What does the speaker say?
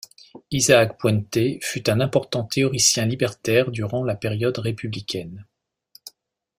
Isaac Puente fut un important théoricien libertaire durant la période républicaine.